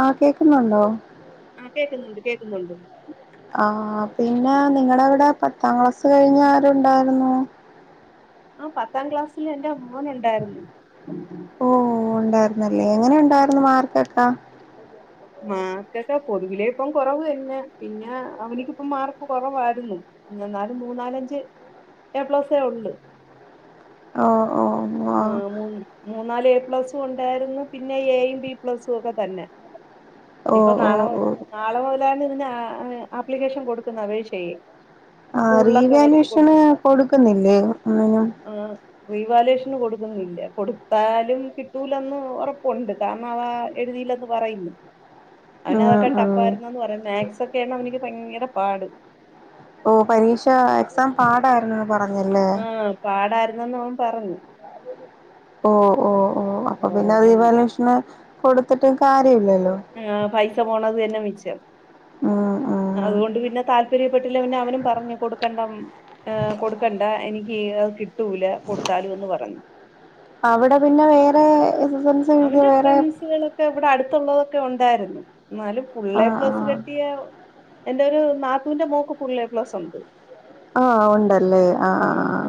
Okay ന്നുണ്ടോ ആഹ് കേക്കുന്നുണ്ട് കേക്കുന്നുണ്ട് ആ പിന്നെ നിങ്ങടെ അവിടെ പത്താം ക്ലാസ് കഴിഞ്ഞ ആരുണ്ടായിരുന്നു ആ പത്താം ക്ലാസ്സിൽ എൻറെ മോൻ ഉണ്ടായിരുന്നു ഓഓ ഒണ്ടായി ല്ലേ എങ്ങനെ ഒണ്ടായിരുന്നു മാർക്കൊക്കാ മാർക്കൊക്കെ പൊതുവിലെ ഇപ്പം കൊറവ് തന്നെ പിന്നെ അവനിക്ക് മാർക്ക് കൊറവായിരുന്നു എന്നാലും മൂന്നാലഞ്ച് എ പ്ലസ് ഒള്ള് ഓ ഓ ആ മൂ മൂന്നാല് എ പ്ലസും ഒണ്ടായിരുന്നു പിന്നെ എയും ബി പ്ലസും ഒക്കെ തന്നെ ഓ ഇപ്പൊ ഓ നാളെ ഓ നാളെ [unintelligible] ആപ്ലിക്കേഷൻ കൊടുക്കുന്ന അപേക്ഷയേ ആ റീവാല്യുവേഷന് കൊടുക്കുന്നില്ലേ ഒന്നിനും റീവാല്യുവേഷന് കൊടുക്കുന്നില്ല കൊടുത്താലും കിട്ടൂലാന്ന് ഒറപ്പൊണ്ട് കാരണം അവ എഴുതീല്ലെന്ന് പറയും അവന് ഉം അതൊക്കെ ഉം ടഫ് ആയിരുന്നെന്ന് പറയാ മാക്സ് ക്കെയാണ് അവനിക്ക് ഭയങ്കര പാട് ഓ പരീക്ഷ എക്സാം പാടായിരുന്നോ ആ പാടാര എന്ന് അവൻ പറഞ്ഞു ഓ ഓ ഓ അപ്പൊ പിന്നെ റീവാല്യുവേഷന് കൊടുത്തിട്ടും കാ ആ പൈസ പോണത് മിച്ചം ഉം ഉം അതുകൊണ്ട് പിന്നെ താല്പര്യപ്പെട്ടില്ല പിന്നെ അവനും പറഞ്ഞു കൊടുക്കണ്ട ഏ കൊടുക്കണ്ട എനിക്ക്ത് കിട്ടൂല കൊടുത്താലും എന്ന് പറഞ്ഞു അവടെ പിന്നെ വേറെ ഇതൊ അവന്റെ ഫ്രണ്ട്സുകളൊക്കെ വടെ അടു ത്തുള്ളതൊക്കെ ഒണ്ടായിരുന്നു എന്നാലും ഫുള്ള് ആ എ പ്ലസ് ആ കിട്ടിയ എന്റെ ഒരു നാത്തൂന്റെ മോക്ക് ഫുള ള്ള് എ പ്ലസ് ഒണ്ട് ആ ഒണ്ടല്ലേ ആ ആ ആ ആ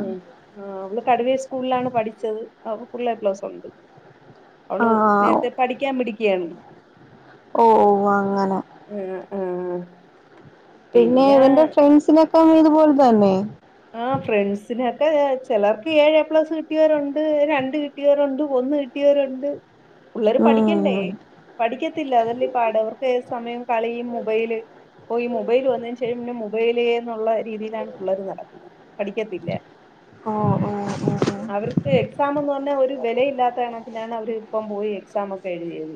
[unintelligible] സ്കൂളിലാണ് പഠിച്ചത് അവക്ക് ഫുൾ എ പ്ലസ്വണ്ട് അവള് ആഹ് ആഹ് ആഹ് നേരത്തെ പഠിക്കാൻ മിടുക്കിയാണ് ഓ ഓ അങ്ങനെ ആ ആ പിന്നെ ഇവന്റെ ഫ്രണ്ട്സിനെ പഴേത്പോല് തന്നേ ആ ഫ്രണ്ട്സിനെയൊക്കെ ചെലർക്ക് ഏഴ് എ പ്ലസ് കിട്ടിയവരൊണ്ട് രണ്ട് കിട്ടിയവരൊണ്ട് ഒന്ന് കിട്ടിയവരൊണ്ട് പിള്ളേർ പഠിയ്ക്കണ്ടേ ഉം പഠിക്കത്തില്ല അതല്ല ഇ പാട് അവർക്ക് ഏത് സമയോം കളിയും മൊബൈല് പ്പോ ഈ മൊബൈല് വന്നതിന് [unintelligible] പിന്നെ മൊബൈലേന്നുള്ള രീതിയിലാണ് പിള്ളേർ നട പഠിക്കത്തില്ല ഓഹ് ഓഹ് അവർക്ക് എക്സാമെന്ന് പറഞ്ഞ ഒരു വെലയില്ലാത്തണക്കിനാണ് അവര് ഇപ്പം പോയി എക്സാമൊക്കെ എഴുതിയത്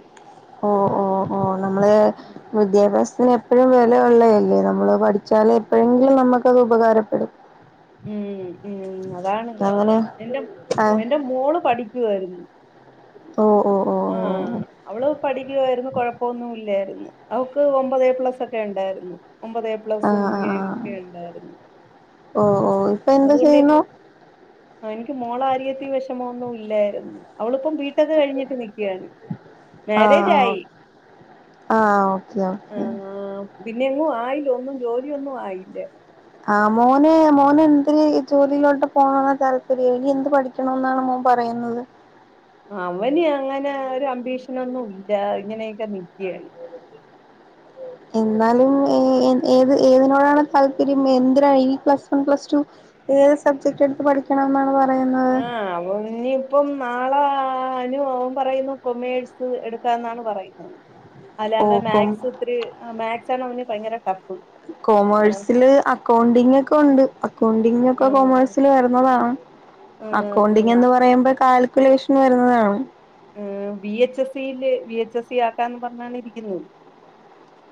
വിദ്യാഭാസ ഞ്ഞ് എപ്പഴും വെല ഒള്ളേല്ലേ നമ്മള് പഠിച്ചാല് എപ്പഴെങ്കിലും നമ്മക്കത് ഉപകാരപ്പെടും ഉം ഉം അ താണ് അങ്ങനെ എന്റെം മ ആഹ് എന്റെ മോള് പഠി ക്കുവാരുന്ന് ഓ ഓ ഓ ആ ഓ അവള് പഠിക്കുവായിരുന്നു കൊഴപ്പൊന്നും ഇല്ലാരുന്നു അവക്ക് ഒമ്പതേപ്ലസൊക്കെണ്ടായിരുന്ന് ഒമ്പതേപ്ലസും ആഹ് ആഹ് ഏയും ഒക്കെണ്ടായിര്ന്നു ഓല്പ്പ എന്ത് ചെയ്യുന്നു ആ എനിക്ക് മോളാരിയത്തിൽ വെഷമൊന്നും ഇല്ലായിര്ന്നു. അവള്പ്പം ബീ ടെക്ക് കഴിഞ്ഞിട്ട് നിക്കയാണ് ആഹ് മേര്യേജായി ഓക്കെ ഓക്കെ പിന്നെ എങ്ങും ആയില്ല ഒന്നും ജോലിയൊന്നും ആയില്ല ആ മോന് മോന് എന്ത് ജോലിയിലോട്ട് പോവാന താല്പര്യം എനി എന്ത് പഠിക്കണംന്നാണ് മോൻ പറയുന്നത് ആ അവന് അങ്ങനെ ഒരു അമ്പീഷനൊന്നുല്ല ഇങ്ങനെയൊക്കെ നിക്കയായി എന്നാലും ഏ ഏത് ഏതിനോടാണ് താല്പര്യം എന്തിനാണ് ഈ പ്ലസ് വൺ പ്ലസ് ടു ഏത് സബ്ജക്ടെടുത്ത് പഠിക്കണമെന്നാണ് പ ആവോ നി ഇപ്പൊം നാളെ [unintelligible] പറയുന്നു കൊമേഴ്സ് എടുക്കാന്നാണ് പറയുന്നത് ഓ [unintelligible] കോം മാത്സൊത്തിരി ആ മാത്സ് ച്ഛനു മുന്നിൽ ഭയങ്കര ടപ്പ് കോമേഴ്സില് അക്കൗണ്ടിങ്ങൊക്കൊണ്ട് അക്കൗണ്ടിങ്ങൊക്കെ ഉം കോമേഴ്സില് വരുന്നതാണ് ഉം അക്കൗണ്ടിങ്ങെന്ന് പറയുമ്പ കാല് [unintelligible] വരുന്നതാണോ ഉം ബി എച്ച് എസ് സിയില് ബി എച്ച് എസ് സി ആക്കാന്ന് പറഞ്ഞാണിരിക്കിന്നത്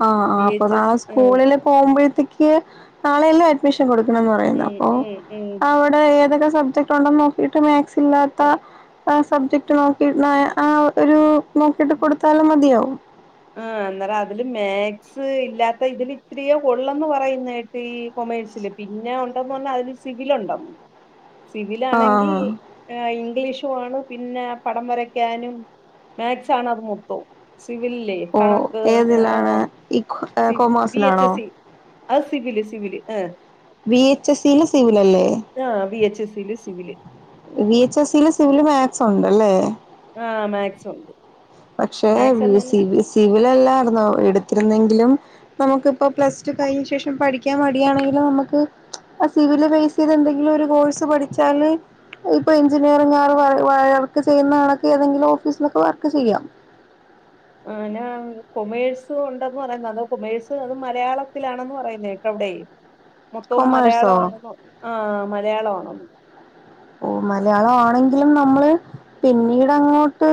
ആ ആ അപ്പ നാളെ സ്കൂള്ല് പോവുമ്പോഴത്തേക്ക് നാളയല്ലെ അഡ്മിഷ റ്റം കൊട്കണംന്ന് പറയിണ്ട് ഉം അപ്പൊ ഉം ഉം ആടെ ഏതൊക്കെ സബ്ജക്ടുണ്ടന്ന് നോക്കീട്ട് മാത്സ് ഇല്ലാത്ത ആ സബ്ജക്ട് നോക്കീട്ണെ ആ ഒരു നോക്കിട്ട് കൊടുത്താലും മതിയോ ആ ഇന്നല അതില് മാത്സ് ഇല്ലാത്ത ഇതില് ഇത്തിരിയെ ഒള്ളന്ന് പറയുന്നേട്ട് ഈ കൊമേഴ്സില് പിന്നെ ഉണ്ടന്ന് പറ്ഞ്ഞാ അതില് സിഗിലുണ്ടോ സിവിലാണെങ്കി ആഹ് ഏ ഇംഗ്ലീഷ് [unintelligible] ആണ് പിന്നെ പടം വരക്കാനും മേക്സാണ് അത് മൊത്തം സിവിൽ ല്ലെ ഓ കണക്ക് ആ ഏതിലാണ് ഈ സി വി എച് എ കൊമേഴ്സിലാണോ സ്സി അത് സിവില് സിവില് ഏ വി എച്ച് എസ്സീ ല് സിവിലല്ലേ ആഹ് വി എച്ച് എസില് civil V H S C ല് സിവില് മേക്സ് ഉണ്ടല്ലേ ആഹ് മേക്സ് ഉണ്ട് പക്ഷെ മാക്സ് വി എന്ന് സി വി സി സിവിലല്ലായിര്ന്നോ എടുത്തിരുന്നെങ്കിലും നമുക്കിപ്പോ പ്ലസ് ടു കഴിഞ്ഞ ശേഷം പഠിക്കാൻ മടിയാണെങ്കിലും നമുക്ക് ആ സിവില് ബേസെയ്ത് എന്തെങ്കിലും ഒരു കോഴ്സ് പഠിച്ചാല് ഇപ്പൊ എഞ്ചിനീയറിങ്ങ് ആർ വയറ്ക്കേ ചെയ്യുന്നണക്ക് ഏതെങ്കിലും ഓഫീസൊക്കെ വർക്ക് ചെയ്യാം ആ ഞാ കൊമേഴ്സ് ഉണ്ടേന്ന് പറയുന്ന അത് കൊമേഴ്സ് അത് മലയാളത്തിലാണെന്ന് പറയുന്നേക്കവിടേ മൊത്തവും മലയാള കൊമേഴ്സോ ആണെന്നോ ആ മലയാള ആണെന്നോ ഓ മലയാളം ആണെങ്കിലും നമ്മള് പിന്നീട് അങ്ങോട്ട്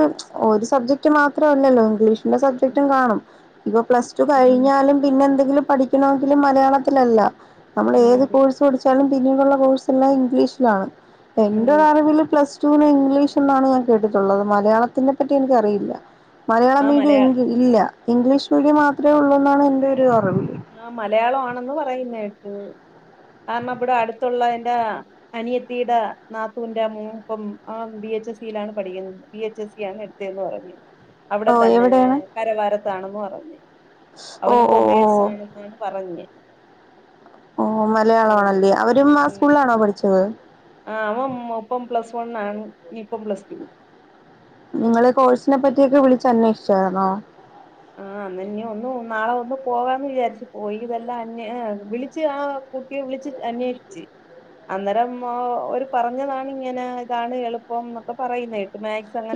ഒരു സബ്ജക്റ്റ് മാത്രല്ലല്ലോ ഇംഗ്ലീഷ് എല്ലാ സബ്ജക്ടും കാണും ഇപ്പൊ പ്ലസ്ടു ഉം കഴിഞ്ഞാലും പിന്നെ എന്തെങ്കിലും പഠിക്കണോങ്കിലും മലയാളത്തിലല്ല നമ്മള് ഏത് ഉം കോഴ്സ് പടിച് ച്ചാലും പിന്നീടുള്ള കോഴ്സ് എല്ലാം ഇംഗ്ലീഷിലാണ് എന്റെ ഉം ഒരറിവില് പ്ലസ്ടൂ ല് ഇൻ ഇംഗ്ലീഷ് എന്നാണ് ഞാൻ കേട്ടിട്ടുള്ളത് മലയാളത്തിനെ പറ്റി എനിക്കറിയില്ല മലയാളം ആഹ് മീഡിയ മലയാ ഇൻഗ് ഇല്ല ഇംഗ്ലീഷ് മീഡിയം മാത്രേ ഒള്ളൂന്നാണ് എന്റെ ഒരു അറിവ് ആ മലയാളം ആണെന്ന് പറയുന്നേട്ട് കാരണം ഇവിടെ അട്ത്തുള്ള എന്റെ അനിയത്തിടെ നാത്തുന്റെ മോൻ പ്പം ആ വി എച്ച് എസ് സി ലാണ് പഠിക്ക്ണത് വി എച്ച് എസ് സി ആണ് എടുത്തെന്ന് പറഞ്ഞ് അവിടെ ഓ തന്നെ എവിടെയാണ് കരവാരത്താണെന്ന് പറഞ്ഞ് ഓ അവനും ഓ കൊമേ ഓ സാണെന്നാണ് പറഞ്ഞേ ഓ മലയാളാണല്ലോ അവരും ആ സ്കൂൾലാണോ പഠിച്ചത് ആ അവന് പ്പം പ്ലസ് വൺ ആണ് ഇപ്പം പ്ലസ് ടു നിങ്ങള് കോഴ്സിനെ പറ്റിയൊക്കെ വിളിച്ചന്വേഷ്ചായ്ന്നോ ആഹ് അന്നെന്നെ ഒന്ന് ഒന്നു നാളെ ഒന്ന് പോവാന്ന് വിചാരിച്ചു. പോയി ഇതെല്ലാം അനേ ഏ വിളിച്ച് ആ കുട്ടിയെ വിളിച്ച് അന്വേഷിച്ച് അന്നേരം ഒരു പറഞ്ഞതാണ് ഇങ്ങനെ ഇതാണ് എളുപ്പം ന്നൊക്കെ പറയുന്ന കേട്ട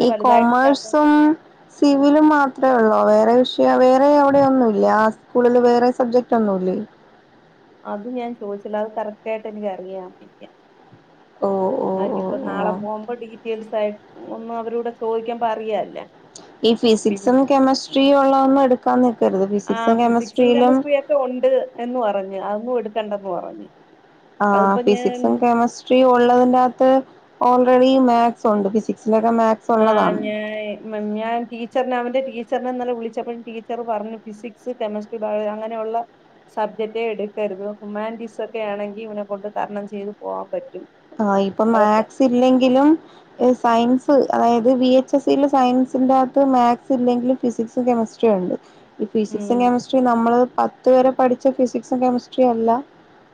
ഈ കൊമേഴ്സും സിവിലും മാത്രെള്ളോ ള്ളോ വേറെ വിഷയ വേറെ അവിടെ ഒന്നും ഇല്ല ആ സ്കൂളില് വേറെ സബ്ജക്റ്റ് ഒന്നുല്ലേ അത് ഞാൻ ചോദിച്ചില്ല അത് കറക്റ്റ് ആയിട്ട് എനിക്ക് അറിയാം [unintelligible] ഓ ഓ ഓ അവനിയിപ്പോ ഓ നാളെ പോവുമ്പോ ഡീറ്റെയിൽസ് ആയി ഒന്നു അവരൂടെ ചോദിക്കുമ്പോ അറിയാല്ലോ ഈ ഫിസിക്സും കെമിസ്ട്രിയും ഉള്ള ഒന്നു എട് ക്കന്ന് ആ ഫിസിക്സും കെമിസ്ട്രിയൊക്കെ ഉണ്ട് എന്ന് പറഞ്ഞ് അതന്നും എടുത്ത് കണ്ട പോവാന്നെ ആ ഫിസിക്സും കെമസ്ട്രിയ ഉള്ളതിനകത്ത് ഓൾറെഡി മാത്സ് ഉണ്ട് ഫിസിക്സ് ആഹ ഞാൻ ഞാൻ ടീച്ചറിനെ അവന്റെ ടീ ടീച്ചറിനെന്നല്ലെ വിളിച്ചപ്പോഴും ടീച്ചർ പറഞ്ഞു ഫിസിക്സ് കെമിസ്ട്രി ബയോ അങ്ങനെയുള്ള സബ്ജെക്എടുക്കരുത് ഹുമാൻറ്റീസ് ഒക്കെ ആണെങ്കിൽ ഇവൻ കൊണ്ട് തരണം ചെയ്ത് പോകാൻ പറ്റും ആ ഇപ്പൊ അതൊക്കെ മാത്സ് ഇല്ലെങ്കിലും സയൻസ് അതായത് ബി എച്ച് എസില് സയൻസിന്റെറ അകത്ത് മാക്സ് ഇല്ലെങ്കിലും ഫിസിക്സും കെമിസ്ട്രിയും ഉണ്ട് ഈ ഫിസിക്സും ഉം കെമിസ്ട്രിം നമ്മൾ പത്ത് വരെ പഠിച്ച ഫിസിക്സും കെമിസ്ട്രിയ അല്ല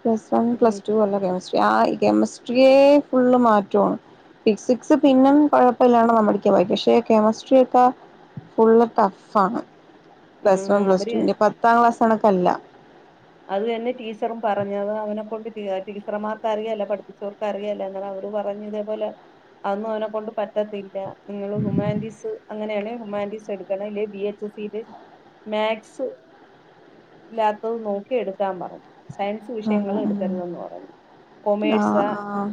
പ്ല വൺ പ്ലസ് ഉം ടു വല്ല കെമിസ്ട്രി ആ ഈ കെമിസ്ട്രി സ്ട്രിയെ ഫുള്ള് മാറ്റ്യോണ് ഫിസിക്സ് പിന്നെം കുഴപ്പമില്ലാണ്ട് നമ്മടിക്കാൻ [unintelligible] പക്ഷെ കെമിസ്ട്രിയക്കെ ഫുള്ള് ടഫ്ഫ്ആണ് പ്ലസ് ഉം വൺ പ്ലസ് ടു അവര് ഇനിപത്താം ക്ലാസ് കണക്കല്ല അത് തന്നെ ടീച്ചറും പറഞ്ഞത് അവനെ കൊണ്ട് ടീച്ചർമാർക്ക് അറിയല്ല പഠപ്പിച്ചവർക്ക് അറിയല്ല എന്ന അവര് പറഞ്ഞു ഇതെ പോലെ അന്നും അവനെ കൊണ്ട് പറ്റത്തില്ല നിങ്ങള് ഹ്യുമാറ്റീസ് അങ്ങനെയാണെ ഹ്യുമാനിറ്റീസ് എടുക്കണം ഇല്ലെ വി എച്ച് എസ് സില് മാക്സ് ഇല്ലാത്ത നോ നോക്കി എടുക്കാൻ പറഞ്ഞു സയൻസ് വിഷയങ്ങൾ ആഹ് എടുക്കരുതെന്ന് പറഞ്ഞു ആഹ് കൊമേഴ്സാ ആഹ്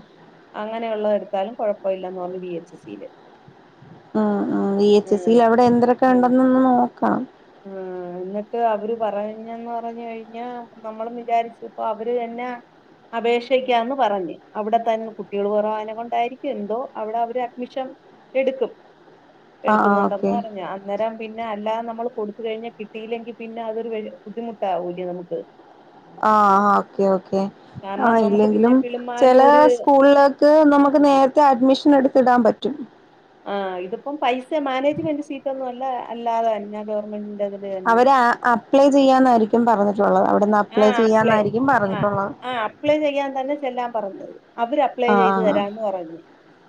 അങ്ങനെയുള്ള എടു എടുത്താലും കുഴപ്പ ഇല്ലന്ന് പറഞ്ഞു വി എച്ച് എ സി യില് ഉം ഉം വി എച്ച് എസ് യിൽ അവിടെ എന്തരെക്കെ ഉണ്ടൊന്ന് ഒന്ന് നോ കാം ആ എന്നിട്ട് അവര് പറഞ്ഞന്ന് പറഞ്ഞു കഴിഞ്ഞ നമ്മളള് വിചാരിച്ചപ്പൊ അവര് തന്നെ അപേക്ഷക്കാന്ന് പറഞ്ഞ് അവിടെ തന്നെ കുട്ടികൾ കുറോ അനെ കൊണ്ടായിരിക്കും എന്തോ അവിടെ അവര് അഡ്മിഷൻ എടുക്കും ആഹ് ആഹ് എടുക്കുന്നുണ്ടെന്ന് ഓക്കെ പറഞ്ഞു അന്നേരം പിന്നെ അല്ലാതെ കൊടുത്ത കഴിഞ്ഞാൽ കിട്ടിയില്ലെങ്കിൽ പിന്നെ അതൊരു വേ ബുദ്ധിമുട്ടാവൂല്ലേ നമുക്ക് ആ ഹ ഓക്കെ ഓക്കെ ആ കാരണം നമുക്ക് പിന്നെ ഇല്ലെങ്കിലും ചെല കിളിമാനൂര് സ്കൂളിലേക്ക് നമുക്ക് നേരത്തെ അഡ്മിഷൻ എടുത്തിടാൻ പറ്റും റ്റും ആഹ് ഇതിപ്പം പൈസ മാനേജ്മെന്റ് സീറ്റ് ഒന്നും അല്ല അല്ലാതെ തന്ന ഗവൺമെന്റ് അവര് അ അപ്ലേ ചെയ്യാന്നാരിക്കും ക്കും പറഞ്ഞേ ടൊലാത് അവിടെന്ന് ആ അപ്ലേ അപ്ലൈ ചെയ്യാന്നായിരിക്കും ആ പറഞ്ഞിട്ടുള്ളത് ആ അപ്ലൈ ചെയ്യാൻ തന്നെ ചെല്ലാൻ പറഞ്ഞത് അവര് അപ്ലൈ ചെയ്ത് ആഹ തരാന്ന് പറഞ്ഞ്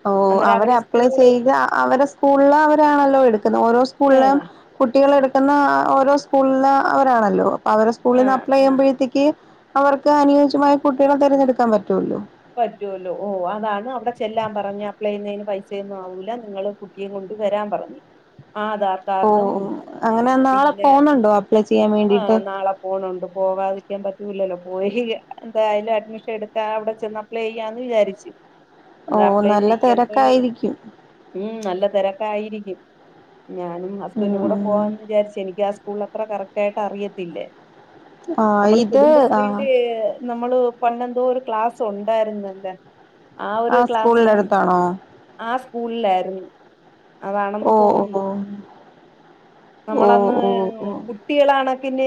ഓ അന്നേരം അവരെ അപ്ലൈ സ്കൂള് ചെയ്ത് അവരെ സ്കൂളിൽ അവരാണല്ലോ എടുക്കുന്നത് ഓരോ ആ സ്കൂളിലും കുട്ടികൾ എ പട്ടുന്ന ഓരോ സ്കൂളില അവരാണല്ലോ അവരെ സ്കൂളിൽ ആ നിന്ന് അപ്ലൈ ആ ചെയ്യുമ്പോഴത്തേക്ക് അവർക്ക് അനുയോജ്യമായ കുട്ട്യാളെ തെരഞ്ഞെടുക്കാൻ പറ്റൊല്ലോ പറ്റുവല്ലോ ഓ അതാണ് അ ചെല്ലാം പറഞ്ഞു അപ്ളൈ ചെയ്യുന്നതിന് പൈസ യൊന്നും ആവൂല നിങ്ങള് കുട്ടിയും കൊണ്ട് വരാൻ പറഞ്ഞു. ആധാർ ഓ കാർഡും അങ്ങനെ നാളെ പിന്നെ പോന്നുണ്ടോ അപ്ലൈ ചെയ്യാൻ ആ വേണ്ടിട്ട് നാളെ പോണണ്ട് പോകാതിരിക്കാൻ പറ്റ സ്കൂല്ലോ പോയി എന്തായാലും അഡ്മിഷൻ എടുത്താ അവിടെ ട്ടന്ന് അപ്ലൈ ചെയ്യാന്ന് വിചാരിച്ച് ഓ നല്ല തെരക്കായിരിക്കും. തെരക്കായിരിക്കും ഞാനും ഹസ്ബൻഡും ഉം കൂടെ ഉം പോവാന്ന് വിചാരിച്ച് എനിക്ക് ഹസ് സ്കൂൾ അത്ര കറക്റ്റ് ആയിട്ട് അറിയത്തില്ലേ ആ നമ്മള് ഇത് ആ കുടുംബശ്രീയില് നമ്മള് പണ്ടെന്തോ ഒരു ക്ലാസ് ഉണ്ടായിരുന്നല്ലോ ആ സ്കൂളിന് അടുത്താണോ സ്കൂളിലാരുന്നു അതാണെന്ന് ഓ ഓ തോന്നുന്നു ഓ നമ്മളന്ന് ഓ ഓ കുട്ടികളാണ് പിന്നെ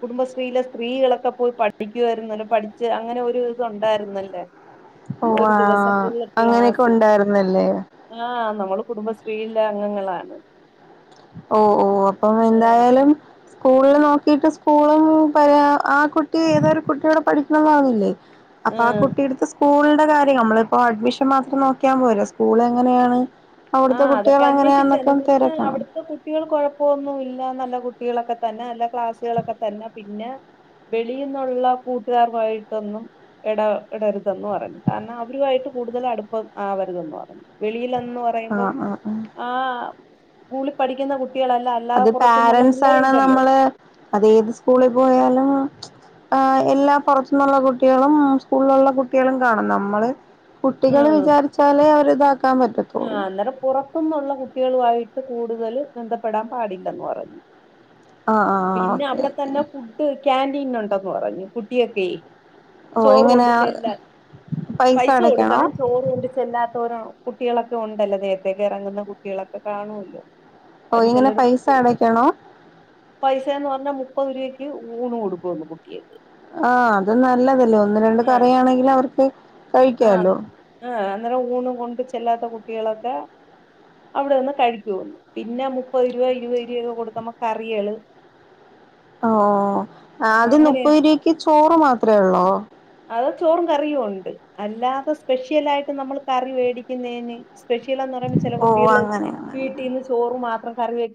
കുടുംബശ്രീയിലെ സ്ത്രീകളൊക്കെ പോയി പഠിപ്പിക്കുവായിരുന്നല്ലോ പഠിച്ച് അങ്ങനെ ഒരു ഇതു ഉണ്ടായിരുന്നല്ലോ ഓ ഒരു ആ ദിവസം ഫുള്ള് അങ്ങനെയൊക്കെ ക്ലാസ് ഉണ്ടായിരുന്നല്ലേ ആഹ് നമ്മള് കുടുംബ ഫീൽഡ് അംഗങ്ങളാണ് ഓ ഓ അപ്പം എന്തായാലും സ്കൂളില് നോക്കിട്ട് സ്കൂളും പല ആ കുട്ടി ഏതൊ ഒരു കുട്ടിയവിടെ പഠിക്കണന്ന് പറഞ്ഞില്ലേ അപ്പൊ ആ കുട്ടി എടുത്ത് സ്കൂളിന്റെ കാര്യം നമ്മളിപ്പോ അഡ്മിഷൻ മാത്രം നോക്കിയാൻ പോരേ സ്കൂൾ എങ്ങനെയാണ് അവിടുത്തെ ആഹ് കുട്ടികൾ അതൊക്കെ അന്വേഷിച്ച് അങ്ങനെയാന്നൊക്കെ പിന്നെ തിരക്കണം അവിടുത്തെ കുട്ടികൾ കുഴപ്പമൊന്നു ഇല്ലാ നല്ല കുട്ടികളൊക്കെ തന്നെ അല്ല ക്ലാസ്സുകളൊക്കെ തന്നെ പിന്നെ വെളിയിന്നുള്ള കൂട്ടുകാരുമായിട്ടൊന്നും ഇട ഇടപെടരുതെന്ന് പറഞ്ഞു കാരണം അവരുമായിട്ട് കൂടുതൽ അടുപ്പം ആവരുതെന്ന് പറഞ്ഞു വെളിയിനു ആ ആ ആ സ്കൂളിൽ പഠിക്കുന്ന കുട്ടി അത് പാരൻസ് ആാണ് നമ്മള് അത് ഏത് സ്കൂളിൽ പോയാലും ആ എല്ലാ പുറത്തുന്നുള്ള കുട്ടികളും സ്കൂളിലുള്ള കുട്ടികളും കാണും നമ്മള് കുട്ടികള് ഉം വിചാരിച്ചാലേ അവര്ത ആ അന്നേരം പുറത്തന്നുള്ള കു കുട്ടികളുയിട്ട് കൂടുതല് ബന്ധപ്പെടാൻ പാടില്ലെന്ന് പറഞ്ഞു ആ ആ ഓക്കെ ഓക്കേ കാന്റീൻ ഉണ്ടെന്ന് പറഞ്ഞു കുട്ടിയൊക്കെ ഓ ചോറ് കൊണ്ട് എങ്ങനെയാ ചെല്ലാ പൈസ കൊടുക്കണം ചോറ് കൊണ്ട് ചെല്ലാത്തവര കുട്ടികളൊക്കെ ഉണ്ടല്ലോ ദേഹത്തേക്ക് ഇറങ്ങുന്ന കുട്ടികളൊക്കെ കാണുമല്ലോ ഓ ഒരു ഇങ്ങനെ ചിലരു പൈസ മു അടയ്ക്കണോ പൈസന്ന് പറഞ്ഞാ മുപ്പ മുപ്പത് രൂപയ്ക്ക് ഊണ് കൊടുക്കുന്നു കുട്ടിക്ക് ആ അത് നല്ലതല്ലേ ഒന്ന് രണ്ട് ആ കറയാണെങ്കിലും അവർക്ക് ആ കഴിക്കാല്ലോ ആ അന്നേരം ഉണ് കൊണ്ട് ച്ചേല്ലാത്ത കുട്ടികളൊക്കെ അവിടെന്ന് കഴിക്കന്നു പിന്നെ മുപ്പത് രൂപ ഇരുപത് രൂപ ഒക്കെ കൊടുത്തമ്മ കറികള് ആ ആദ്യം അങ്ങനെ നുപ്പതിരുക്ക് ചോറ് മാത്രമേ ഉള്ളൂ അത ചോറും കറിയും ഉണ്ട് അല്ലാതെ സ്പെഷ്യല ആായിട്ട് നമ്മൾ കറി വേ ടിക്കുന്നതിന് സ്പെഷ്യലാന്ന് പറയുമ്പോൾ ചില ഓ കുട്ടികള് അങ്ങനെ അങ്ങനെ വീട്ടീന്ന് ചോറ് മാത്ര കറിവയ്ക്കാ